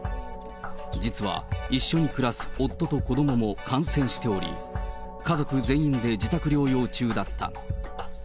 実は一緒に暮らす夫と子どもも感染しており、家族全員で自宅療養中だった。